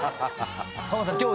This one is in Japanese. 浜田さん。